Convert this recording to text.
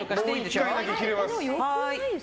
もう１回だけ切れます。